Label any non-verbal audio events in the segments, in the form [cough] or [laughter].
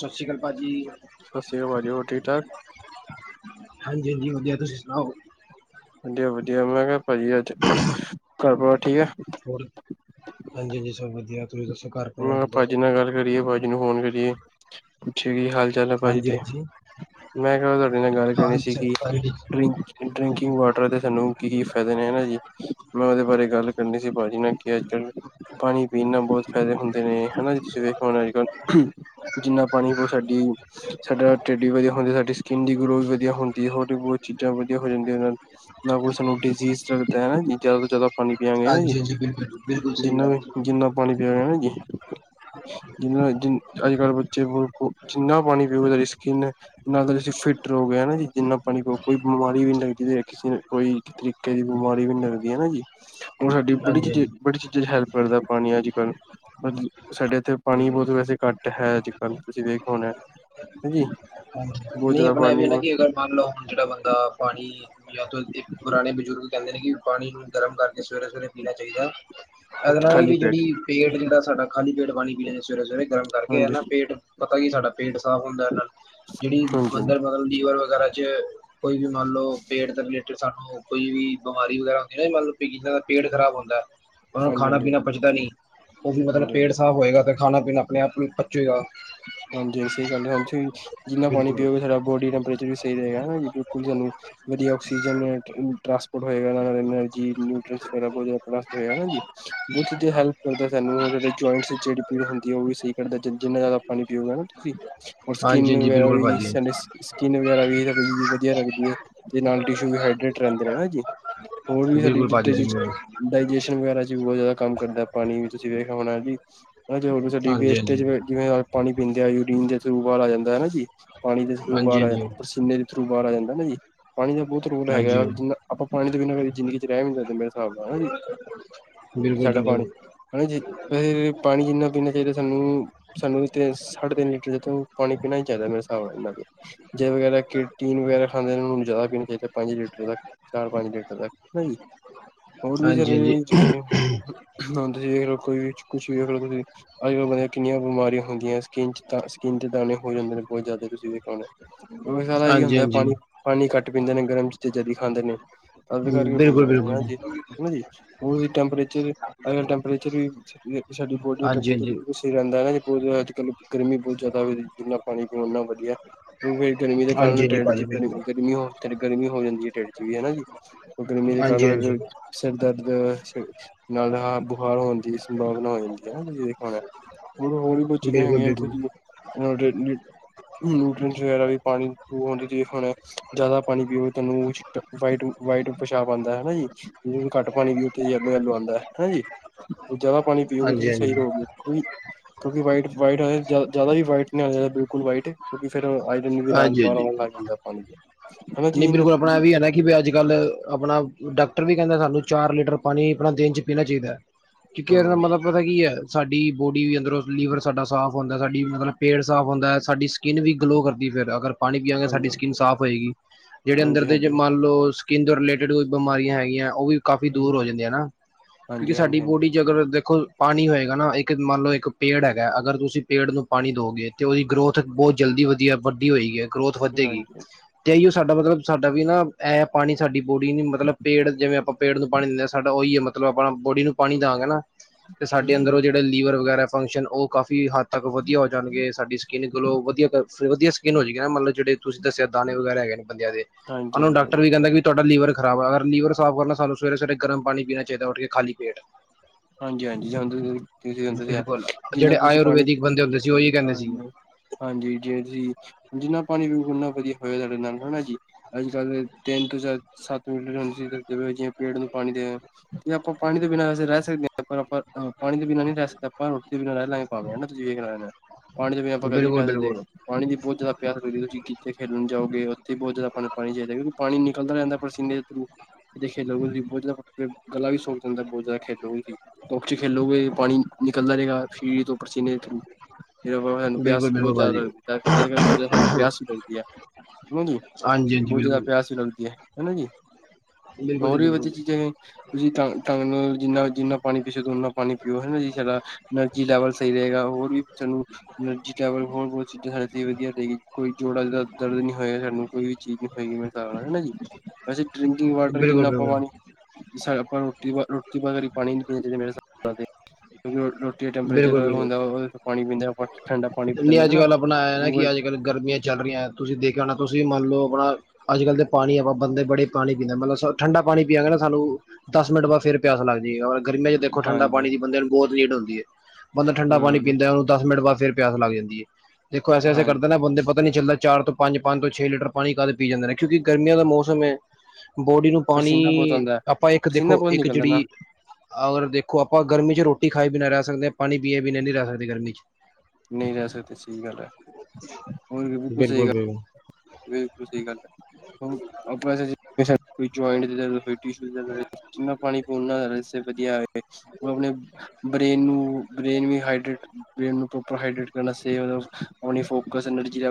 ਸਤਿ ਸ਼੍ਰੀ ਅਕਾਲ ਭਾਜੀ। ਸਤਿ ਸ੍ਰੀ ਅਕਾਲ ਭਾਜੀ, ਹੋਰ ਠੀਕ-ਠਾਕ? ਹਾਂਜੀ-ਹਾਂਜੀ, ਵਧੀਆ ਤੁਸੀਂ ਸੁਣਾਓ? ਵਧੀਆ-ਵਧੀਆ ਮੈਂ ਕਿਹਾ ਭਾਜੀ ਅੱਜ ਘਰ ਪਰ ਠੀਕ ਆ? ਹੋਰ, ਹਾਂਜੀ-ਹਾਂਜੀ, ਸਭ ਵਧੀਆ ਤੁਸੀਂ ਦੱਸੋ ਘਰ ਮੈਂ ਪਰਿਵਾਰ ਕਿਹਾ ਕਿੱਦਾਂ ਭਾਜੀ ਸਭ ਨਾਲ ਗੱਲ ਕਰੀਏ, ਭਾਜੀ ਨੂੰ ਫੋਨ ਕਰੀਏ, ਪੁੱਛੀਏ ਕੀ ਹਾਲ-ਚਾਲ ਹੈ। ਭਾਜੀ ਹਾਂਜੀ ਦੇ ਹਾਂਜੀ ਮੈਂ ਕਿਹਾ ਮੈਂ ਤੁਹਾਡੇ ਨਾਲ ਗੱਲ ਕਰਨੀ ਹਾਲ ਸੀਗੀ, ਚਾਲ ਹਾਂਜੀ ਡਰਿੰਕ ਡਰਿੰਕਿੰਗ ਵਾਟਰ ਦੇ ਸਾਨੂੰ ਕੀ-ਕੀ ਫਾਇਦੇ ਨੇ ਨਾ ਜੀ। ਮੈਂ ਉਹਦੇ ਬਾਰੇ ਗੱਲ ਕਰਨੀ ਸੀ ਭਾਜੀ ਨੇ ਕਿਹਾਂ ਅੱਜ ਕੱਲ ਪਾਣੀ ਪੀਣ ਨਾ। ਬਹੁਤ ਫਾਇਦੇ ਹੁੰਦੇ ਨੇ ਹਨਾ ਜੀ ਤੁਸੀਂ ਵੇਖੋ ਹੋ ਅੱਜ ਕੱਲ ਜਿੰਨਾ ਪਾਣੀ ਕੁ ਸਾਡੀ। ਸਾਡਾ ਢਿੱਡ ਵੀ ਵਧੀਆ ਹੁੰਦੀ ਸਾਡੀ ਸਕਿੰਨ ਦੀ ਗਲੋ ਵੀ ਵਧੀਆ ਹੁੰਦੀ ਹੋਰ ਵੀ ਬਹੁਤ ਚੀਜ਼ਾਂ ਵਧੀਆ ਹੋ ਜਾਂਦੀਆਂ ਉਹਦੇ ਨਾਲ। ਨਾ ਕੋਈ ਸਾਨੂੰ ਡਿਜ਼ੀਜ਼ ਲੱਗਦਾ ਹਨਾ ਜੀ ਜ਼ਿਆਦਾ ਤੋਂ, ਜ਼ਿਆਦਾ ਪਾਣੀ ਪਿਆਗੇ ਹੈ ਨਾ, ਜੀ ਹਾਂਜੀ ਹਾਂਜੀ ਬਿਲਕੁਲ ਬਿਲਕੁਲ ਸਹੀ ਜਿੰਨਾ ਗੱਲ ਵੀ, ਹੈ ਜੀ ਜਿੰਨਾ ਪਾਣੀ ਪਿਆਗੇ ਨਾ ਜੀ। ਜਿਨਾ ਨੇ ਅੱਜ ਕੱਲ੍ਹ ਬੱਚੇ ਜਿੰਨਾ ਪਾਣੀ ਪੀਓਗੇ ਸਾਡੀ ਸਕਿੰਨ ਨਾਲ ਤਾਂ, ਤੁਸੀਂ ਫਿੱਟ ਰਹੋਗੇ ਹੈ ਨਾ ਜੀ, ਜਿੰਨਾ ਪਾਣੀ ਪੀਓਗੇ ਕੋਈ ਬਿਮਾਰੀ ਵੀ, ਨੀ ਲੱਗਦੀ, ਕਿਸੇ ਨੂੰ ਕੋਈ ਤਰੀਕੇ ਦੀ ਬਿਮਾਰੀ ਵੀ ਨਹੀਂ ਲੱਗਦੀ ਹੈ ਨਾ ਜੀ ਹੁਣ ਸਾਡੀ ਬੜੀ ਹਾਂਜੀ ਚੀਜ਼ ਹਾਂਜੀ ਬੜੀ ਚੀਜ਼ਾਂ ਚ, ਹੈਲਪ ਕਰਦਾ ਪਾਣੀ ਅੱਜ ਕੱਲ ਤਾ, ਸਾਡੇ ਇੱਥੇ ਪਾਣੀ ਬਹੁਤ ਵੈਸੇ ਘੱਟ ਹੈ ਅੱਜ ਕੱਲ੍ਹ ਤੁਸੀਂ ਵੇਖਿਆ ਹੋਣਾ ਹਾਂਜੀ ਬਹੁਤ ਨਹੀਂ ਜ਼ਿਆਦਾ ਆਪਣਾ ਇਹ ਪਾਣੀ ਵੀ, ਨਾ ਕਿ ਅਗਰ ਮੰਨ ਲਓ ਜਿਹੜਾ ਬੰਦਾ ਪਾਣੀ ਜਾਂ ਤਾਂ ਇੱਕ ਪੁਰਾਣੇ ਬਜ਼ੁਰਗ ਕਹਿੰਦੇ ਨੇ, ਕਿ ਪਾਣੀ ਨੂੰ ਗਰਮ ਕਰਕੇ ਸਵੇਰੇ -ਸਵੇਰੇ ਪੀਣਾ ਚਾਹੀਦਾ। ਇਹਦੇ ਨਾਲ ਹੀ, ਵੀ ਜਿਹੜੀ ਪੇਟ ਜਿਹੜਾ ਸਾਡਾ ਖਾਲੀ ਪੇਟ ਪਾਣੀ -ਪੀਣਾ ਨੇ ਸਵੇਰੇ -ਸਵੇਰੇ ਗਰਮ ਕਰਕੇ ਹਾਂਜੀ ਨਾ ਪੇਟ ਪਤਾ ਕੀ ਸਾਡਾ ਪੇਟ ਸਾਫ਼ ਹੁੰਦਾ ਇਹਦੇ ਨਾਲ ਜਿਹੜੀ ਹਾਂਜੀ ਹਾਂਜੀ ਅੰਦਰ ਮਨ ਲੋ ਲੀਵਰ ਵਗੈਰਾ ਚ, ਕੋਈ ਵੀ ਮੰਨ ਲਓ ਪੇਟ ਥੱਲੇ ਜੇ ਸਾਨੂੰ ਕੋਈ ਵੀ, ਬਿਮਾਰੀ ਵਗੈਰਾ ਹੁੰਦੀ ਨਾ ਮਤਲਬ ਕਿ ਜਿਦਾ ਪੇਟ ਖਰਾਬ ਹੁੰਦਾ। ਉਹਨਾਂ ਨੂੰ ਹਾਂਜੀ ਖਾਣਾ ਹਾਂਜੀ -ਪੀਣਾ ਪਚਦਾ ਨਹੀਂ, ਉਹ ਵੀ ਮਤਲਬ ਹਾਂਜੀ ਪੇਟ ਸਾਫ਼ ਹੋਏਗਾ। ਅਤੇ ਖਾਣਾ -ਪੀਣਾ ਆਪਣੇ ਆਪ ਨੂੰ ਪਚੇਗਾ। ਹਾਂਜੀ -ਹਾਂਜੀ ਸਹੀ ਗੱਲ ਹੈ, ਹਾਂਜੀ ਜਿੰਨਾ ਪਾਣੀ ਬਿਲਕੁਲ ਪੀਓਗੇ ਸਾਡਾ ਬੋਡੀ ਟੈਂਪਰੇਚਰ ਵੀ, ਸਹੀ ਰਹੇਗਾ ਨਾ ਜੀ ਬਿਲਕੁਲ ਸਾਨੂੰ ਵਧੀਆ ਆਕਸੀਜਨ ਟਾਂਸਪੋਰਟ ਹੋਏਗਾ ਨਾਲ਼ੇ ਜੀ, ਬੁਥ ਦੀ ਹੈਲਪ ਕਰਦਾ ਸਾਨੂੰ ਜਿੜੀ ਜੋਇੰਟਸ ਚ ਜਿਹੜੀ ਪੀੜ ਹੁੰਦੀ ਹੈ ਉਹ ਵੀ ਸਹੀ ਕਰਦਾ ਜਿੰਨਾ ਜਿਆਦਾ ਪਾਣੀ ਪੀਓਗੇ ਨਾ ਤੁਸੀਂ ਔਰ ਹਾਂਜੀ ਸਕਿਨ ਹਾਂਜੀ ਵਗੈਰਾ ਬਿਲਕੁਲ ਵੀ ਭਾਜੀ ਸਡ, ਸਕਿਨ ਵਗੈਰਾ ਵੀ ਸਾਡੀ ਵਧੀਆ ਰੱਖਦੀ ਹੈ, ਤੇ ਨਾਲ ਟਿਸ਼ੂ ਵੀ ਹਾਈਡਰੇਟ ਰਹਿੰਦੇ ਨੇ ਹਨਾ ਜੀ। ਹੋਰ ਵੀ ਸਾਡੀ ਬਿਲਕੁਲ ਭਾਜੀ ਜਿੱਤੇ ਜੀ ਬਿਲਕੁਲ ਡਾਇਜੇਸ਼ਨ ਵਗੈਰਾ ਚ ਵੀ ਬਹੁਤ ਜ਼ਿਆਦਾ ਕੰਮ ਕਰਦਾ ਪਾਣੀ ਵੀ ਤੁਸੀਂ ਵੇਖਿਆ ਹੋਣਾ ਜੀ। ਹਨਾ ਜ ਸਾਡੀ ਹਾਂਜੀ ਵੇਸਟੇਜ ਹਾਂਜੀ ਜਿਵੇਂ ਪਾਣੀ ਪੀਂਦੇ ਆ ਯੂਰੀਨ ਦੇ ਰੂਪ ਚ ਬਾਹਰ ਆ ਜਾਂਦਾ ਨਾ ਜੀ। ਪਾਣੀ ਦੇ ਥਰੂ ਹਾਂਜੀ ਬਾਹਰ ਆ ਹਾਂਜੀ ਪਸੀਨੇ ਦੇ ਥਰੂ ਬਾਹਰ ਆ ਜਾਂਦਾ ਨਾ ਜੀ ਪਾਣੀ ਦਾ ਬਹੁਤ ਰੋਲ ਹਾਂਜੀ ਹੈਗਾ ਵੀ ਜਿੰਨਾ, ਆਪਾਂ ਪਾਣੀ ਦੇ ਬਿਨਾਂ ਕਦੇ ਜ਼ਿੰਦਗੀ ਚ ਰਹਿ ਵੀ ਸਕਦੇ, ਮੇਰੇ ਹਿਸਾਬ ਨਾਲ ਹੈ ਨਾ ਜੀ ਬਿਲਕੁਲ ਸਾਡਾ ਪਾਣੀ, ਬਿਲਕੁਲ ਹੈ ਨਾ ਜੀ ਵੇ ਪਾਣੀ ਜਿੰਨਾ ਪੀਣਾ ਚਾਹੀਦਾ ਸਾਨੂੰ-ਸਾਨੂੰ, ਤੇ ਸਾਢੇ ਤਿੰਨ ਲੀਟਰ ਤੋਂ ਪਾਣੀ ਪੀਣਾ ਹੀ ਨਹੀਂ ਚਾਹੀਦਾ, ਮੇਰੇ ਹਿਸਾਬ ਨਾਲ ਇਹਨਾਂ ਤੇ, ਪੀਜ਼ਾ ਵਗੈਰਾ ਟੀਨ ਵਗੈਰਾ ਖਾਂਦੇ ਉਹ ਨੂੰ ਜ਼ਿਆਦਾ ਪੀਣਾ ਚਾਹੀਦਾ, ਪੰਜ ਲੀਟਰ ਤੱਕ, ਚਾਰ ਪੰਜ ਲੀਟਰ ਤੱਕ ਹਨਾ ਜੀ ਹੋਰ ਵੀ, ਹਾਂਜੀ ਹਾਂਜੀ ਹ ਤੁਸੀਂ ਦੇਖ ਲੋ ਕੋਈ ਵੀ ਕੁੱਛ ਵੇਖ ਲਓ ਤੁਸੀਂ ਅੱਜ ਕੱਲ੍ਹ ਬੰਦਿਆਂ ਕਿੰਨੀਆਂ ਬਿਮਾਰੀਆਂ, ਹੁੰਦੀਆਂ ਸਕਿਨ ਚ ਸਕਿਨ ਤੇ ਦਾਣੇ ਹੋ ਜਾਂਦੇ ਨੇ ਬਹੁਤ ਜ਼ਿਆਦਾ ਤੁਸੀਂ ਵੇਖਿਆ ਹੋਣਾ। ਕਿਉਂਕਿ ਸਾਰਾ ਇਹੀ ਹਾਂਜੀ ਹੁੰਦਾ ਹਾਂਜੀ ਪਾਣੀ-ਪਾਣੀ ਘੱਟ ਪੀਂਦੇ ਨੇ ਗਰਮ ਚੀਜ਼ਾਂ ਜਾਦਾ ਖਾਂਦੇ ਨੇ, ਅੱਗੇ ਕਰਕੇ ਹੋ ਬਿਲਕੁਲ ਜਾਣਾ ਬਿਲਕੁਲ ਹਾਂਜੀ, ਹਨਾ ਜੀ ਉਹ ਟੈਂਪਰੇਚਰ ਅਗਰ ਟੈਂਪਰੇਚਰ ਵੀ ਸਾਡੀ ਬੋਡੀ ਦਾ ਹਾਂਜੀ ਟੈਂਪਰੇਚਰ ਹਾਂਜੀ ਵੀ, ਰਹਿੰਦਾ ਹੈ ਨਾ ਬਹੁਤ ਅੱਜ ਕੱਲ੍ਹ ਗਰਮੀ ਬਹੁਤ ਜ਼ਿਆਦਾ ਹੋ ਜਿੰਨਾ ਪਾਣੀ ਪੀ ਉਨਾ ਵਧੀਆ। ਹੁਣ ਫਿਰ ਗਰਮੀ ਦੇ ਹਾਂਜੀ ਕਾਰਨ ਹਾਂਜੀ ਟੈਂਟ ਚ ਭਾਜੀ ਬਿਲਕੁਲ ਗਰਮੀ ਗਰਮੀ ਹੋ ਜਾਂਦੀ ਹੈ। ਟੈਂਟ ਚ ਵੀ ਹਨਾ ਜੀ, ਗ਼ਰਮੀ ਦੇ ਹਾਂਜੀ ਹਾਂਜੀ ਕਾਰਨ, ਸਿਰ ਦਰਦ ਨਾਲ ਬੁਖਾਰ ਹੋਣ ਦੀ ਸੰਭਾਵਨਾ ਹੋ ਜਾਂਦੀ ਹੈ ਨਾ ਤੁਸੀਂ ਦੇਖਿਆ ਹੋਣਾ। ਹੋਰ ਹੋਰ ਵੀ ਬਹੁਤ ਚੀਜ਼ਾਂ ਬਿਲਕੁਲ ਹੈਗੀਆਂ ਇੱਥੇ, ਬਿਲਕੁਲ ਨਿਊਟਰੈਂਟਸ ਵਗੈਰਾ ਵੀ ਪਾਣੀ ਹ ਜ ਹੁਣ ਜ਼ਿਆਦਾ ਪਾਣੀ ਪੀਓਗੇ ਤੁਹਾਨੂੰ ਉਹ, ਵਾਈਟ ਵਾਈਟ ਪੇਸ਼ਾਬ ਆਉਂਦਾ ਹੈ। ਹੈ ਨਾ ਜੀ ਜੇ ਘੱਟ ਪਾਣੀ ਵੀ ਉੱਥੇ ਯੈਲੋ ਯਲੋ ਆਉਂਦਾ ਹੈ। ਹੈ ਨਾ ਜੀ, ਜ਼ਿਆਦਾ ਪਾਣੀ ਪੀਓਗੇ ਹਾਂਜੀ ਤੁਸੀਂ ਹਾਂਜੀ ਸਹੀ ਰਹੋਗੇ। ਕਿਉਂਕਿ ਵਾਈਟ ਵਾਈਟ ਜ਼ਿਆਦਾ ਵੀ ਵਾਈਟ ਨਹੀਂ ਆਣਾ ਚਾਹੀਦਾ ਬਿਲਕੁਲ ਵਾਈਟ, ਕਿਉਂਕਿ ਫਿਰ ਆਈਰਨ ਨਾਲ ਹਾਂਜੀ ਹਾਂਜੀ ਬਾਹਰ ਲੱਗ ਜਾਂਦਾ ਪਾਣੀ ਮੈਂ ਜੀਨ ਕਿਉਂਕਿ ਅੱਜ ਕੱਲ ਆਪਣਾ ਡਾਕਟਰ ਵੀ ਕਹਿੰਦੇ, ਸਾਨੂੰ ਚਾਰ ਲੀਟਰ ਪਾਣੀ ਆਪਣਾ ਦਿਨ ਚ ਪੀਣਾ ਚਾਹੀਦਾ ਹੈ। ਕਿਉਂਕਿ, ਇਦਾਂ ਮਤਲਬ ਪਤਾ ਕੀ ਹੈ। ਸਾਡੀ ਬੋਡੀ ਵੀ ਅੰਦਰੋਂ ਲੀਵਰ ਸਾਡਾ ਸਾਫ਼ ਹੁੰਦਾ ਸਾਡੀ ਮਤਲਬ ਪੇਟ ਸਾਫ਼ ਹੁੰਦਾ ਸਾਡੀ ਸਕਿੰਨ ਵੀ ਗਲੋਅ ਕਰਦੀ, ਦੀ ਫਿਰ ਅਗਰ ਪਾਣੀ ਪੀਆਗੇ ਹਾਂਜੀ ਸਾਡੀ ਸਕਿੰਨ ਸਾਫ਼ ਹੋਏਗੀ ਜਿਹੜੇ ਅੰਦਰ ਹਾਂਜੀ ਦੇ ਹਾਂਜੀ ਮੰਨ ਲਓ, ਕੇਂਦਰ ਰਿਲੇਟਿਡ ਕੋਈ ਬਿਮਾਰੀਆਂ ਹੈਗੀਆਂ! ਉਹ ਵੀ ਕਾਫੀ ਦੂਰ ਹੋ, ਹਾਂਜੀ ਜਾਂਦੇ ਆ! ਨਾ ਕਿਉਂਕਿ ਹਾਂਜੀ ਹਾਂਜੀ ਸਾਡੀ ਹਾਂਜੀ ਬੋਡੀ 'ਚ, ਅਗਰ ਦੇਖੋ ਪਾਣੀ ਹੋਏਗਾ ਨਾ, ਇੱਕ ਮੰਨ ਲਓ ਇੱਕ ਪੇੜ ਹੈਗਾ ਅਗਰ ਤੁਸੀਂ ਪੇੜ ਨੂੰ, ਪਾਣੀ ਦਿਓਗੇ ਤੇ ਉਹਦੀ ਗਰੋਥ ਬਹੁਤ ਜਲਦੀ ਵਧੀਆ ਵੱਡੀ ਹੋਈ ਹੈ ਗਰੋਥ ਵੱਧੇਗੀ। ਹਾਂਜੀ ਤੇ ਇਹੀ ਓ ਸਾਡਾ ਮਤਲਬ ਸਾਡਾ ਵੀ ਨਾ ਇਹ ਪਾਣੀ ਸਾਡੀ ਬੋਡੀ ਨ ਮਤਲਬ ਪੇੜ ਜਿਵੇਂ ਆਪਾਂ- ਪੇੜ ਨੂੰ ਪਾਣੀ ਦਿੰਦੇ ਆ ਸਾਡਾ ਉਹੀ ਹੈ। ਮਤਲਬ ਆਪਣਾ ਬੋਡੀ ਨੂੰ ਪਾਣੀ ਦਵਾਂਗੇ ਨਾ- [inaudible] ਤੇ ਸਾਡੇ ਅੰਦਰ ਉਹ ਹਮ ਜਿਹੜੇ ਲੀਵਰ ਵਗੈਰਾ ਫੰਕਸ਼ਨ ਉਹ ਕਾਫੀ ਹੱਦ ਤੱਕ ਵਧੀਆ ਹੋ ਜਾਣਗੇ ਸਾਡੀ ਸਕਿਨ ਗਲੋ ਵਧੀਆ- ਵਧੀਆ- ਸਕਿਨ ਹੋ ਜਾਗੀ ਨਾ ਮਤਲਬ ਜਿਹੜੇ ਤੁਸੀਂ ਦੱਸਿਆ ਦਾਣੇ ਵਗੈਰਾ ਹੈਗੇ ਨੇ ਬੰਦੇ ਹਾਂਜੀ ਹਾਂਜੀ ਉਹ ਨੂੰ ਹਾਂਜੀ ਡਾਕਟਰ ਵੀ ਕਹਿਦਾ ਵੀ- ਤੁਹਾਡਾ ਲੀਵਰ ਖਰਾਬ ਅਰ ਲੀਵਰ ਸਾਫ਼ ਕਰਨਾ ਸਾਨੂੰ ਸਵੇਰੇ ਸਵੇਰੇ ਗਰਮ ਪਾਣੀ ਪੀਣਾ ਚਾਹੀਦਾ ਉਠ ਕੇ ਖਾਲੀ ਪੇਟ- ਹਾਂਜੀ- ਹਾਂਜੀ [unintelligible] ਬਿਲਕੁਲ ਜਿੰਨਾ ਜਿਹੜੇ ਤੁਸੀਂ ਪਾਣੀ ਆਯੁਰਵੈਦਿਕ ਬੰਦੇ ਹੁੰਦੇ ਸੀ ਉਹੀ ਕਹਿੰਦੇ ਸੀ ਹਾਂ- ਹਾਂਜੀ ਜੇ ਤੁਸੀਂ ਜਿੰਨਾ ਪਾਣੀ ਪੀਊਗੇ ਉਨਾ ਵਧੀਆ ਹੋਇਆ ਸਾਡੇ ਨਾਲ ਹਨਾ ਜੀ- ਅੱਜ ਕੱਲ ਦੇ ਤਿੰਨ ਤੋਂ ਸੱਤ [unintelligible] ਪੇੜ ਨੂੰ ਪਾਣੀ ਦੇਣਾ - ਤੇ ਆਪਾ ਪਾਣੀ ਤੋਂ ਬਿਨਾ ਵੈਸੇ ਰਹਿ ਸਕਦੇ ਹਾਂ ਪਰ ਆਪਾ- ਪਾਣੀ ਦੇ ਬਿਨਾਂ ਨਹੀਂ ਰਹਿ ਸਕਦੇ ਆਪਾਂ ਰੋਟੀ ਦੇ ਬਿਨਾ ਰਹਿ ਲੈ ਪਾਵੇਂ ਜੇ ਰਾਣਾ ਪਾਣੀ ਤੋਂ ਬਿਨਾਂ ਆਪਾਂ ਕਦੇ ਵੀ ਬਿਲਕੁਲ ਨਹੀਂ ਰਹਿ ਸਕਦੇ ਬਿਲਕੁਲ - ਪਾਣੀ ਦੀ ਬਹੁਤ ਜਿਆਦਾ ਪਿਆਸ ਲਗਦੀ ਤੁਸੀਂ ਕਿ ਖੇਡਣ ਜਾਓਗੇ ਉਥੇ ਬਹੁਤ ਜਿਆਦਾ ਪਾਣੀ ਚਾਹੀਦਾ ਕਿਉਂਕਿ ਪਾਣੀ ਨਿਕਲਦਾ ਜਾਂਦਾ ਹੈ। ਪਸੀਨੇ ਤੋਂ [unintelligible] ਬਹੁਤ ਜਿਆਦਾ ਗਲਾ ਵੀ ਸੁੱਕ ਜਾਂਦਾ ਬਹੁਤ ਜਿਆਦਾ ਖੇਡੂਗੀ ਉੱਚ ਖੇਲੋਗੇ ਪਾਣੀ ਨਿਕਲਦਾ ਰਿਆ [unintelligible] ਪਸੀਨੇ ਤੋਂ [unintelligible] ਪਿਆਸ ਬਿਲਕੁਲ ਬਹੁਤ ਬਿਲਕੁਲ ਜਿਆਦਾ ਭਾਜੀ ਲਗਦੀ ਬਹੁਤ ਜਿਆਦਾ ਪਿਆਸ ਵੀ ਲੱਗਦੀ ਹੈ। ਹਾਂਜੀ ਹਾਂਜੀ ਹਾਂਜੀ ਬਹੁਤ ਜਿਆਦਾ ਬਿਲਕੁਲ ਪਿਆਸ ਵੀ ਲੱਗਦੀ ਹਨਾ ਜੀ- ਬਿਲਕੁਲ ਜੀ ਹੋਰ ਵੀ ਵਧੀਆ ਬਿਲਕੁਲ ਚੀਜਾ ਨੇ ਤੁਸੀਂ ਢੰਗ ਨਾਲ ਜਿੰਨਾ- ਜਿੰਨਾ- ਪਾਣੀ ਪਿਛੋ ਦੋੜ ਨਾਲ ਪਾਣੀ ਪੀਓ ਹਨਾ ਜੀ ਸਾਡਾ ਐਨਰਜੀ ਲੈਵਲ ਸਹੀ ਰਹੇਗਾ ਹੋਰ ਵੀ ਤੁਹਾਨੂੰ - ਐਨਰਜੀ ਲੈਵਲ ਬਹੁਤ ਬਹੁਤ ਚੀਜਾ ਵਧੀਆ ਦੇ ਗਈ ਕੋਈ ਜੋੜਾ ਦਾ ਦਰਦ ਨਹੀ ਹੋਇਆ ਸਾਨੂੰ- ਕੋਈ ਵੀ ਚੀਜ ਨਹੀਂ ਪਏਗੀ [unintelligible] ਵੈਸੇ ਡਰਿੰਕਿੰਗ ਵਾਟਰ ਜਿੰਨਾ ਬਿਲਕੁਲ ਆਪਾ ਬਿਲਕੁਲ ਪਾਣੀ ਆਪਾ ਰੋਟੀ ਰੋਟੀ ਬਾਦ ਹੀ ਪਾਣੀ- [unintelligible] ਕਿ ਰੋਟੀ ਦਾ ਟੈਂਪਰੇਚਰ ਬਿਲਕੁਲ ਬਿਲਕੁਲ ਹੁੰਦਾ ਪਾਣੀ ਪੀਂਦੇ ਆਪਾਂ ਠੰਡਾ ਪਾਣੀ ਪੀ ਲੈਂਦੇ ਨੇ ਅੱਜ ਨਾ ਕੱਲ ਆਪਣਾ ਨਾ ਉਹ ਕਿ ਅੱਜ ਕੱਲ ਗਰਮੀਆਂ ਚੱਲ ਰਹੀਆਂ ਤੁਸੀਂ ਦੇਖਿਆ ਨਾ ਤੁਸੀਂ ਮੰਨ ਲਓ ਆਪਣਾ- ਅੱਜ ਕੱਲ ਦੇ ਪਾਣੀ ਹਵਾ ਬੰਦੇ ਬੜੇ ਪਾਣੀ ਪੀਂਦਾ ਮਤਲਬ ਠੰਡਾ ਪਾਣੀ ਪੀਵਾਂਗੇ ਨਾ ਸਾਨੂੰ- ਦਸ ਮਿੰਟ ਬਾਅਦ ਪਿਆਸ ਲਗਦੀ ਗਰਮੀਆਂ 'ਚ ਦੇਖੋ ਠੰਡਾ ਹਾਂਜੀ ਪਾਣੀ ਦੀ ਬੰਦਿਆਂ ਨੂੰ ਬਹੁਤ ਹੀਟ ਹੁੰਦੀ ਹੈ। ਬੰਦਾ ਠੰਡਾ ਪਾਣੀ ਹੂੰ, ਪੀਂਦਿਆਂ ਨੂੰ ਦਸ ਮਿੰਟ ਬਾਅਦ ਫਿਰ ਪਿਆਸ ਲੱਗ ਜਾਦੀ ਹੈ। ਦੇਖੋ ਐਸੇ- ਐਸੇ ਕਰਦੇ ਹਾਂਜੀ ਨਾ ਬੰਦੇ ਪਤਾ ਨੀ ਚੱਲਦਾ ਚਾਰ ਤੋਂ- ਪੰਜ ਪੰਜ ਤੋਂ ਛੇ ਲੀਟਰ ਪਾਣੀ ਕਾਹਦੇ ਪੀ ਜਾਦੇ ਨੇ ਕਿਉਂਕਿ ਗਰਮੀਆਂ ਦਾ ਮੌਸਮ ਹੈ। ਬੋਡੀ ਨੂੰ- ਪਸੀਨਾ ਬਹੁਤ ਪਾਣੀ ਆਂਦਾ। ਆਪਾਂ ਇਕ ਪਸੀਨਾ ਦੇਖੋ ਬਹੁਤ ਇਕ ਨਿਕਲਦਾ ਨਾ ਜਿਹੜੀ- ਅਗਰ ਦੇਖੋ ਆਪਾਂ ਗਰਮੀ 'ਚ ਰੋਟੀ ਖਾਈ ਬਿਨਾਂ ਰਹਿ ਸਕਦੇ ਹਾਂ ਪਾਣੀ ਪੀਏ ਬਿਨਾ ਨੀ ਰਹਿ ਸਕਦੇ ਗਰਮੀ 'ਚ- ਨਹੀ ਰਹਿ ਸਕਦੇ ਸਹੀ ਗੱਲ ਹੈ। ਹੋਰ ਬਿਲਕੁਲ ਸਹੀ ਗੱਲ ਹੈ। ਬਿਲਕੁਲ ਸਹੀ ਗੱਲ ਹੈ। [unintelligible] [unintelligible] ਜਿੰਨਾ ਪਾਣੀ [unintelligible] ਬ੍ਰਰੇਨ ਨੂੰ ਬਰੇਨ ਵੀ ਹਾਈਡਰੇਟ- ਟ ਕਰਨਾ ਆਪਲ [unintelligible]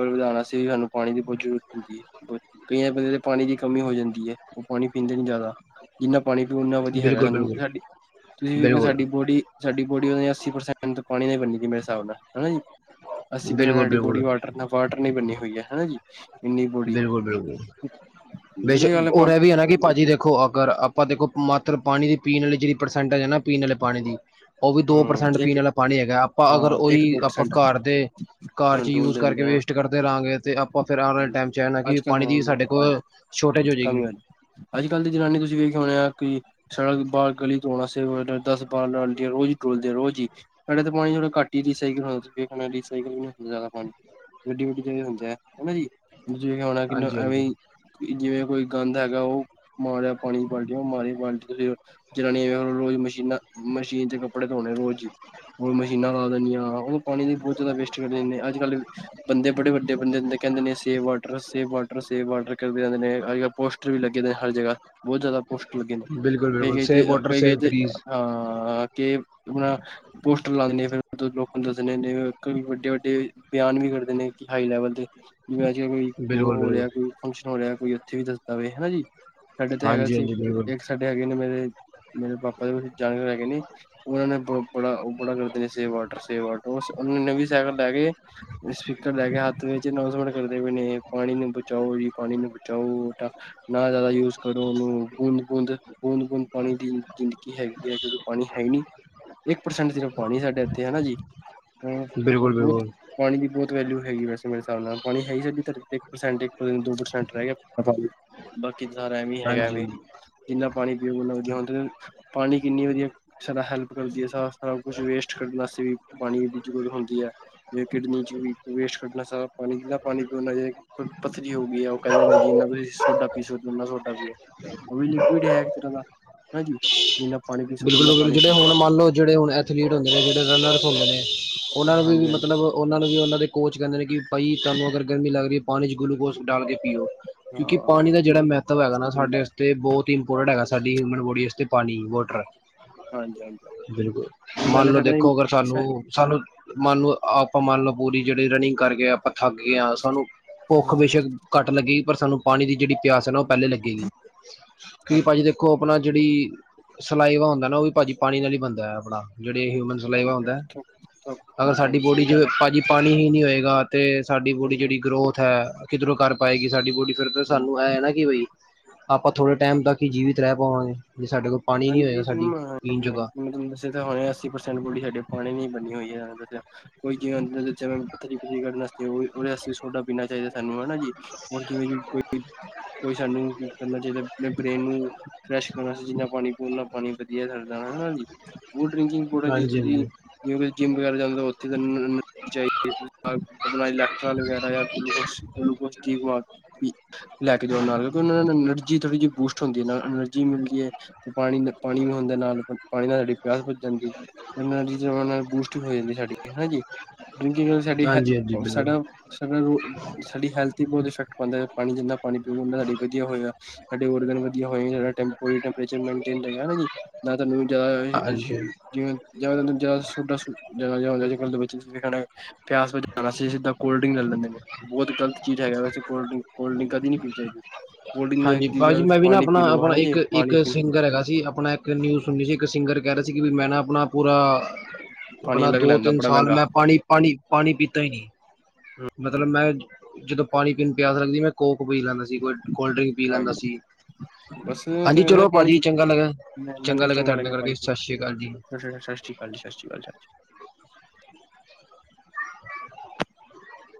ਵਧਾਣਾ ਸੀ ਸਾਨੂੰ ਪਾਣੀ ਦੀ ਜਰੂਰਤ ਹੁੰਦੀ ਹੈ। ਕਈ ਬੰਦੇ ਦੇ ਪਾਣੀ ਦੀ ਕਮੀ ਹੋ ਜਾਂਦੀ ਹੈ। ਉਹ ਪਾਣੀ ਪੀਂਦੇ ਨਹੀ ਜਿਆਦਾ- ਜਿਨਾ ਪਾਣੀ ਪੀਓ ਓਨਾ ਵਧੀਆ ਹੈਗਾ ਬਿਲਕੁਲ ਸਾਨੂੰ, ਬਿਲਕੁਲ ਸਾਡੀ, ਤੁਸੀ ਵੇਖ ਬਿਲਕੁਲ ਸਾਡੀ ਬੋਡੀ- ਸਾਡੀ ਬੋਡੀ ਉਹ ਅੱਸੀ ਪ੍ਰਸੈਂਟ ਪਾਣੀ ਨਾਲ ਬਨੀ ਮੇਰੇ ਹਿਸਾਬ ਨਾਲ, ਹਨਾ ਜੀ- ਅੱਸੀ ਪ੍ਸੈਨਟ ਬਿਲਕੁਲ ਸਾਡੀ ਬੋਡੀ, ਬਿਲਕੁਲ ਵਾਟਰ ਨਾਲ ਬਣੀਨੀ ਹੋਈ ਹੈ। ਹਨਾ ਜੀ- ਇੰਨੀ ਬੋਡੀ ਬਿਲਕੁਲ- ਬਿਲਕੁਲ, ਵਧੀਆ ਬੇਸ਼ੱਕ, ਗੱਲ ਉਹ ਆਪਾਂ ਵੀ ਹੈ ਨਾ ਕਿ ਭਾਜੀ ਦੇ- ਖੋ, ਅਗਰ ਆਪਾ ਦੇਖੋ ਮਾਤਰ ਪਾਣੀ ਦੀ ਪੀਣੀ ਜਿਹੜੀ ਪ੍ਰਸੈਂਟਜ ਹੈ ਨਾ, ਪੀਣ ਵਾਲੇ ਪਾਣੀ ਦੀ- ਉਹ ਵੀ ਦੋ ਹੂੰ ਪ੍ਰਸੈਂਟ ਪੀਣ ਇੱਕ ਵਾਲਾ ਪਾਣੀ ਹੈਗਾ, ਆਪਾਂ ਅਗਰ ਹਾਂ ਇੱਕ ਉਹੀ, ਦੋ ਆਪਾਂ ਪਰਸੈਂਟ ਘਰ ਦੇ- ਘਰ 'ਚ ਯੂਜ ਡੋਲਦੇ ਕਰਕੇ ਹੁੰਦੇ ਆ। ਵੇਸਟ ਕਰਦੇ ਰਹਾਂਗੇ, ਤੇ ਆਪਾ ਫਿਰ ਆਉਣ ਵਾਲੇ ਟਾਈਮ- 'ਚ ਹੈ ਨਾ ਕਿ ਅਜ ਕਲ ਪਾਣੀ ਦੀ ਕਮੀ, ਸਾਡੇ ਕੋਲ ਸ਼ੋਰਟੇਜ ਅੱਜ ਹੋ ਕੱਲ ਜਾਏਗੀ ਵਾਲੀ, ਅੱਜ ਕੱਲ੍ਹ ਦੀ ਜਨਾਨੀ ਤੁਸੀ ਵੇਖਿਆ ਹੋਣਾ ਕਿ- ਸੜਕ ਬਾਹਰ ਗਲੀ ਤੂਆਉਣਾ ਸੀ ਦਸ ਬਾਰਾਂਹ ਬਾਲਟੀਆਂ ਰੋਜ਼ਹੀ- ਰੁਲਦੇ ਰੋਜ਼ ਹੀ, ਸਾਡੇ ਤਾਂ ਪਾਣੀ ਥੋੜਾ ਘੱਟ ਹੀ ਰੀਸਕ ਵੀ ਹੁੰਦੀਆ ਪਾਣੀ- ਵੱਡੀ ਵੱਡੀ ਜਗ੍ਹਾ ਹੁੰਦੇ ਹੈ। ਹਨਾ ਜੀ ਖਾਉਣਾ [unintelligible] ਕਿੰਨ ਹਾਂਜੀ ਹਾਂਜੀ ਐਵੇਂ ਜਿਵੇਂ ਕੋਈ ਗੰਦ ਹੈਗਾ ਉਹ, ਮਾਰਿਆ ਪਾਣੀ ਦੀ ਬਾਲਟੀ ਉਹ ਮਾਰੀ ਬਾਲਟੀ ਤੁ ਜਨਾਨੀਆਂਖਲ ਰੋਜ਼ ਮਸ਼ੀਨਾਂ, ਮਸ਼ੀਨ ਤੇ ਕਪੜੇ ਧੋਣੇ ਰੋਜ਼ ਹੀ, ਮਸ਼ੀਨਾਂ ਲਾ ਦਿੰਣੀਆਂ ਉਹ ਪਾਣੀ ਦੀ ਬਹੁਤ ਜ਼ਿਆਦਾ ਵੇਸਟ ਕਰ ਦਿੰਦਿਆ ਅੱਜ ਕੱਲ ਬੰਦੇ ਬੜੇ ਵੱਡੇ ਬੰਦੇਦੇ ਕਹਿੰਦੇ ਨੇ ਸੇ ਵਾਟਰ ਸੇ ਵਾਟਰ ਸੇ ਵਾਟਰ ਕਰਦੇ ਰਹਿੰਦੇ ਨੇ ਅ ਪ ਪੋਸਟਰ ਵੀ ਲੱਗੇ ਨੇ ਹਰ ਜਗ੍ਹਾ ਬਹੁਤ ਜ਼ਿਆਦਾ ਪੋਸਟ ਲੱਗੇ ਨੇ, ਬਿਲਕੁਲ ਕਈ- ਬਿਲਕੁਲ ਕਈ ਤੇ ਸੇਵ ਵਾਟਰ ਕਈ, ਕਈ ਸੇਵ ਤੇ ਟਰੀਜ਼ ਅਹ ਕਿ ਆਪਣਾ ਪੋਸਟਰ ਲਾਉਂਦੇ ਫਿਰ ਉ ਲੋਕਾਂ ਨੂੰ ਦੱਸਣੇ ਨੇ ਵੱਡੇ- ਵੱਡੇ ਤੇ ਬਿਆਨ ਵੀ ਕਰਦੇ ਨੇ ਕਿ ਹਾਈ ਲੈਵਲ ਤੇ, ਜਿਵੇਂ ਅੱਜ -ਕੱਲ ਕੋਈ ਉਹ ਬਿਲਕੁਲ ਹੋ ਬਿਲਕੁਲ ਰਿਹਾ ਕੋਈ ਫੰਕਸ਼ਨ ਹੋ ਰਿਹਾ ਕੋਈ ਉੱਥੇ ਵੀ ਦੱਸਦਾ ਵਵੇ ਹਨਾ ਜੀ, ਸਾਡੇ ਤੇ ਹੈਗਾ ਹਾਂਜੀ ਸੀ ਹਾਂਜੀ ਬਿਲਕੁਲ ਇੱਕ ਛੱਡੇ ਹੈਗੇ ਨੇ ਮੇਰੇ, ਮੇਰੇ ਪਾਪਾ ਦੇ ਕੁ ਜਾਣਕਾਰ ਹੈਗੇ ਨੇ ਉਹਨਾਂ ਨੇ ਬ, ਬੜਾ ਉਹ ਬੜਾ ਕਰਦੇ ਨੇ ਸੇ ਵਾਟਰ ਸੇ ਵਾਟਰ ਨੇ ਵੀ ਸਾਈਕਲ ਲੈ ਕੇ ਸਪੀਕਰ ਲੈ ਕੇ ਹੱਥ ਵਿੱਚ ਨੌ ਸਟ ਕਰਦੇ ਪਏ ਨੇ, ਪਾਣੀ ਨੂੰ ਬਚਾਓ ਪਾਣੀ ਨੂੰ ਬਚਾਓ ਨਾ, ਜ਼ਿਆਦਾ ਯੂਜ ਕਰੋ ਉਹਨੂੰ, ਬੂੰਦ- ਬੂੰਦ ਬੂੰਦ- ਬੂੰਦ ਪਾਣੀ ਦੀ ਜ਼ਿੰਦਗੀ ਹੈਗੀ ਹੈ, ਕਿਉਂਕਿ ਪਾਣੀ ਹੈ ਨਹੀਂ ਇੱਕ ਪਰਸੈਂਟ ਸਿਰਫ ਪਾਣੀ ਸਾਡੇ ਇੱਥੇ ਹਨਾ ਜੀ, ਬਿਲਕੁਲ ਬਹੁਤ ਬਿਲਕੁਲ ਪਾਣੀ ਦੀ ਬਹੁਤ ਵੈਲਿਊ ਹੈਗੀ ਵੈਸੇ ਮੇਰੇ ਹਿਸਾਬ ਨਾਲ, ਪਾਣੀ ਹੈ ਹੀ ਧਰਤੀ ਤੇ ਇੱਕ ਸਾਸੈਂਟ, ਦੋ ਪ੍ਰਸੈਂਟ ਰਹਿ ਗਿਆ ਬਾਕੀ ਸਾਰਾ, ਐਵੇਂ ਹੈਗਾ ਹਾਂਜੀ ਐਵੇਂ ਹਾਂਜੀ, ਜਿੰਨਾ ਪਾਣੀ ਪੀਓ, ਓਨਾ ਵਧੀਆ, ਪਾਣੀ ਕਿੰਨੀ ਵਧੀਆ ਸਾਡੀ ਹੈਲਪ ਕਰਦੀ ਹੈ ਸਭ ਕੁਛ ਵੇਸਟ ਕਰਨਾ ਸੀ, ਪਾਣੀ ਦੀ ਜ਼ਰੂਰਤ ਹੁੰਦੀ ਹੈ ਜੇ ਕਿਡਨੀ 'ਚ ਵੇਸਟ ਕਰਨਾ ਸਾ ਪਾ ਪਾਣੀ ਪੀਓਣਾ ਚ ਪੱਥਰੀ ਹੋ ਗਈ ਉਹ ਕਹਿੰਦੇ ਨੇ ਜਿੰਨਾ ਤੁਸੀਂ ਸੋਡਾ ਪੀ ਸਕਦੇ ਹੋ ਓਨਾ ਸੋਡਾ ਪੀਓ ਅ ਲਿਕੀਡ ਹੈ ਇਕ ਤਰਾਂ, ਹਨਾ ਹਾਂਜੀ ਜਿੰਨਾ ਪਾਣੀ ਪੀ ਸਕਦੇ ਹੋ ਬਿਲਕੁਲ- ਉਨਾ ਬਿਲਕੁਲ, ਪਾਣੀ ਜਿਹੜੇ ਪੀਓ ਹੁਣ ਮੰਨ ਲਓ ਜਿਹੜੇ ਹੁਣ ਐਥਲੀਟ ਹੁੰਦੇ ਨੇ, ਜਿਹੜੇ ਰਨਰਸੁੰਦੇ ਨੇ ਉਹਨਾਂ ਨੂੰ ਵੀ ਹਾਂਜੀ ਹਾਂਜੀ ਮਤਲਬ ਉਹਨਾਂ ਨੂੰ ਵੀ ਉਹਨਾਂ ਦੇ ਕੋਚ ਕਹਿੰਦੇ ਨੇ, ਕਿ ਭਾਈ ਤੁਹਾਨੂੰ ਅਗਰ ਗਰਮੀ ਲੱਗ ਰਹੀ ਹੈ ਪਾਣੀ 'ਚ ਗਲੂਕੋਜ਼ ਡਾਲ ਕੇ ਪੀਓ, ਕਿਉਂਕਿ ਪਾਣੀ ਦਾ ਜਿਹੜਾ ਹਾਂ ਮਹੱਤਵ ਹੈਗਾ ਨਾ ਸਾਡੇ ਤੇ ਬਹੁਤ ਹੀ ਇੰਪੋਰਟੈਂਟ ਹੈਗਾ ਸਾਡੀ ਹਿਊਮਨ ਬੋਡੀ ਵਾਸਤੇ ਪਾਣੀ, ਵਾਟਰ ਹਾਂਜੀ ਹਾਂਜੀ ਬਿਲਕੁਲ, ਸਹੀ ਗੱਲ ਮੰਨ ਹੈ ਲਓ ਦੇਖੋ ਅਗਰ ਸਾਡਾ ਸਾਨੂੰ ਸਾਨੂੰ ਮੰਨ ਲ ਆਪਾਂ ਮੰਨ ਲਓ ਪੂਰੀ ਜਿਹੜੀ ਰਨਿੰਗ ਕਰਕੇ ਆਪਾਂ ਠੱਗ ਗਿਆਆਂ, ਸਾਨੂੰ ਭੁੱਖ ਬੇਸ਼ਕ ਘੱਟ ਲੱਗੀਈ ਪਰ ਸਾਨੂੰ ਪਾਣੀ ਦੀ ਜਿਹੜੀ ਪਿਆਸ ਹੈ ਨਾ ਉਹ ਪਹਿਲੇ ਲੱਗੇਗੀ, ਕਿਉਂਕਿ ਭਾਜੀ ਦੇਖੋ ਆਪਣਾ ਜਿਹੜੀ ਸਲਾਈਵਾ ਹੁੰਦਾ ਨਾ ਉਹ ਵੀ ਭਾਜੀ ਪਾਣੀ ਨਾਲ ਹੀ ਬਣਦਾ ਹੈ ਆਪਣਾ, ਜਿਹੜੇ ਹਨ ਹੁੰਦਾ ਅਗਰ ਹਾਂਜੀ ਸਾਡੀ ਹਾਂਜੀ ਬੋਡੀ ਸਹੀ 'ਚ ਗੱਲ ਹੈ ਭਾਜੀ ਪਾਣੀ ਹੀ ਨਈ ਹੋਏਗਾ। ਤੇ ਸਾਡੀ ਬੋਡੀ ਜਿਹੜੀ ਗਰੋਥ ਹੈ ਕਿਧਰੋਂ ਕਰ ਪਾਏਗੀ ਸਾਡੀ ਬੋਡੀ ਫਿਰ ਸਾਨੂੰ ਇਹ ਹੈ ਨਾ ਕਿ ਬਈ ਆਪਾਂ ਥੋੜ੍ਹੇ ਟਾਈਮ ਤੱਕ ਹੀ ਜੀਵਿਤ ਰਏ ਪਾਵਾਂਗੇ ਜੇ ਸਾਡੇ ਕੋਲ ਪਾਣੀ ਨਹੀਂ ਹਾਂਜੀ ਹੋਏਗਾ [unintelligible] ਸਾਡੀ ਪੀਣ ਜੋਗਾ ਜੀ ਹੁਣੇ ਅੱਸੀ ਪ੍ਰਸੈਂਟ ਬੂੜ ਸਾਡੇ ਪਾਣੀ ਬਣੀ ਹੋਈ ਹੈ ਦੱਸਿਆ। ਕੋਈ ਕਿਵੇਂ ਜਵੇਂ ਪੱਥਰੀ ਪੂਥਰੀ ਕੱਢਣੈ। ਜਰੂਰੀ ਥੋੜੇ ਉਹਦੇ ਆਸਤੇ ਸੋਡਾ ਪੀਣਾ ਚਾਹੀਦਾ ਸਾਨੂੰ ਹਨਾ ਜੀ ਹੋਰ ਜਿਵੇਂ ਕੋਈ ਕੋਈ ਸਾਨੂੰ ਕੀ ਕਰਨਾ ਚਾਹੀਦਾ ਆਪ ਬ੍ਰੇਨ ਨੂੰ ਫਰੈਸ਼ ਕਰਨਾ ਚਾਹੀ ਜਿੰਨਾ ਪਾਣੀ ਖੁਲਾ ਪਾਣੀ ਵਧੀਆ ਰੈਂਦਾ ਹਨਾ ਜੀ ਹੋ ਡਰਿੰਕਿੰਗ ਥੋੜਾ ਜਿਹਾ ਹਾਂਜੀ ਤੁਸੀਂ ਹਾਂਜੀ ਜਿਵੇਂ ਜਿੰਮ ਵਗੈਰਾ ਜਾਂਦੇ ਹੋ ਉਥੇ [unintelligible] ਆਪਣਾ ਇਲੈਕਟ੍ਰਾਲ ਵਗੈਰਾ ਜਾਂ ਗਲੂਕੋਸ ਗਲੂਕੋਸ ਠੀਕ ਮ ਲੈ ਕੇ ਜਾਓ ਨਾਲ ਕਿਉਂਕਿ ਉਹਨਾਂ ਨੂੰ ਐਨਰਜੀ ਥੋੜ੍ਹੀ ਜਿਹੀ ਬੂਸਟ ਹੁੰਦੀ ਹੈ ਨਾਲੇ ਐਨਰਜੀ ਮਿਲਦੀ ਏ। ਤੇ ਪਾਣੀ-ਪਾਣੀ ਵੀ ਹੁੰਦਾ ਨਾਲ ਪਾਣੀ ਨਾਲ ਸਾਡੀ ਪਿਆਸ ਬੁਝ ਜਾਂਦੀ ਏ। ਐਨਾ [unintelligible] ਬੂਸਟ ਵੀ ਹੋ ਜਾਂਦੀ ਸਾਡੀ ਹਨਾ ਜੀ। ਡਰਿੰਕਿੰਗ ਨਾਲ ਸਾਡੀ ਹਾਂਜੀ ਹਾਂਜੀ ਹੈਲ ਬਿਲਕੁਲ ਸਾਡਾ-ਸਾਡਾ ਸਾਡੀ ਹੈਲਥ ਤੇ ਬੋਤ ਇਫੈਕਟ ਪਾਂਦਾ। ਪਾਣੀ ਜਿੰਨਾ ਪਾਣੀ ਪੀਊ ਗੇ ਉਨਾ ਸਾਡੀ ਵਧੀਆ ਹੋਏਗਾ ਸਾਡੇ ਔਰਗਨ ਵ ਜੇ ਹੋਏ ਟੈਂਪਰੇਚਰ ਮੈਂਟੇਨ ਰਏਗਾ ਨਾ ਜੀ ਤਾਂ ਤੁਹਾਨੂੰ ਜਾਦਾ ਹਾਂਜੀ ਜਿਵੇਂ [inaudible] ਜਿਦਾ ਪਿਆਸ ਬਜਾਣ ਸੀ ਸਿੱਧਾ ਕੋਲਡ ਡਰਿੰਕ ਲੈ ਲੈਂਦੇ ਨੇ। ਬੋਤ ਗਲਤ ਚੀਜ਼ ਹੈਗਾ ਵੈਸੇ ਕੋਲਡ ਡਰਿੰਕ- ਕੋਲਡ ਡਰਿੰਕ ਕਦੀ ਨਈ ਪੀਣੀ ਚਾਹੀਦੀ। ਕੋਲਡ ਹਾਂਜੀ ਡਰਿੰਕ ਦੀ ਜਗ੍ਹਾ ਭਾਜੀ ਤੁਸੀਂ ਮੈਂ ਵੀ ਨਾ ਪਾਣੀ ਪੀ ਲਓ ਆਪਣਾ-ਆਪਣਾ ਹਨਾ ਜੀ ਇੱਕ-ਇੱਕ ਪਾਣੀ ਸਿੰਗਰ ਹੈਗਾ ਸੀ ਆਪਣਾ ਇੱਕ ਇੱਕ ਨਿਊਜ਼ ਸੁਨੀ ਸੀ ਇੱਕ ਸਿੰਗਰ ਕਹਿ ਰਿਆ ਸੀ ਕਿ ਵੀ ਮੈਂ ਨਾ ਆਪਣਾ ਪੂਰਾ ਪਾਣੀ ਆਪਣਾ ਅਲੱਗ ਦੋ ਲੈਂਦਾ ਤਿੰਨ ਬੜਾ ਸਾਲ ਮਹਿੰਗਾ। ਮੈਂ ਪਾਣੀ-ਪਾਣੀ-ਪਾਣੀ ਪੀਤਾ ਹੀ ਨਈ ਮਤਲਬ ਮੈਂ ਜਦੋਂ ਪਾਣੀ ਪੀਣ ਪਿਆਸ ਸਕਦੀ ਮੈਂ ਕੋਕ ਪੀ ਲੈਂਦਾ ਸੀ ਕੋਈ ਕੋਲਡ ਡਰਿੰਕ ਪੀ ਲੈਂਦਾ ਹਾਂਜੀ ਸੀ। ਬਸ ਹਾਂਜੀ ਚਲੋ ਭਾਜੀ ਪਾਣੀ ਚੰਗਾ ਲੱਗਾ ਚੰਗਾ ਲੱਗਿਆ ਤੁਹਾਡੇ ਨਾਲ ਕਰਕੇ ਸਤਿ ਸ੍ਰੀ ਅਕਾਲ ਜੀ। ਸ ਸਤਿ ਸ਼੍ਰੀ ਅਕਾਲੀ ਸਤਿ੍ਰੀ ਅਕਾਲ [inaudible]